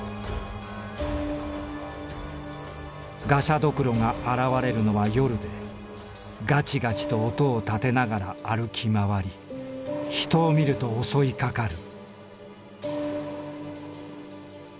「がしゃどくろが現れるのは夜でガチガチと音を立てながら歩き回り人を見ると襲いかかる」。